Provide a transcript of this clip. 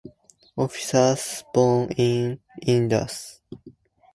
Officers borne in Indus.